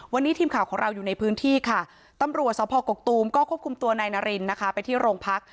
วันนี้ทีมข่าวของเราอยู่ในพื้นที่ค่ะตำรวจสพกกตูมก็ควบคุมตัวนายนารินนะคะไปที่โรงพัก